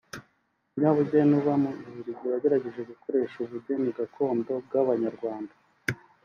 umunyabugeni uba mu Bubiligi wagerageje gukoresha ubugeni gakondo bw’Abanyarwanda